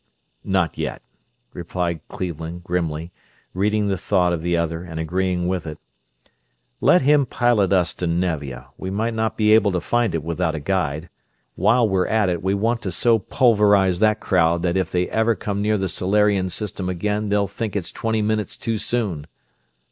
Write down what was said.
"Not yet," replied Cleveland, grimly, reading the thought of the other and agreeing with it. "Let him pilot us to Nevia; we might not be able to find it without a guide. While we're at it we want to so pulverize that crowd that if they never come near the Solarian system again they'll think it's twenty minutes too soon!"